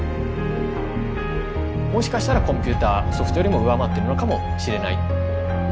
もしかしたらコンピューターソフトよりも上回ってるのかもしれない。